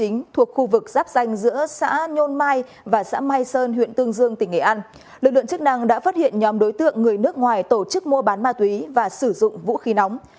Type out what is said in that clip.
lực lượng chức năng đã phát hiện nhóm đối tượng người nước ngoài tổ chức mua bán ma túy và sử dụng vũ khí nóng